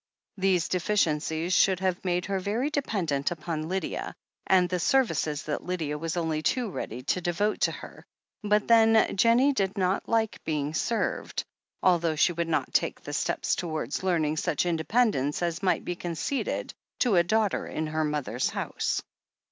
These de ficiencies should have made her very dependent upon Lydia, and the services that Lydia was only too ready to devote to her, but, then, Jennie did not like being served, although she would not take the steps towards learning such independence as might be conceded to a daughter in her mother's house.